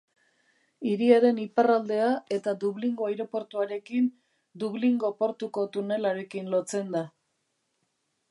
Hiriaren iparraldea eta Dublingo aireportuarekin Dublingo portuko tunelarekin lotzen da.